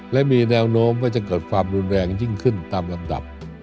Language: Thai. และมีแนวโน้มว่าจะเกิดความรุนแรงยิ่งขึ้นตามลำดับ